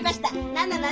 何なの？